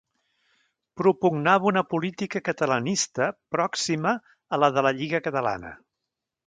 Propugnava una política catalanista pròxima a la de la Lliga Catalana.